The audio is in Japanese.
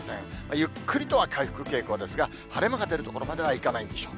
ゆっくりとは回復傾向ですが、晴れ間が出るところまではいかないでしょう。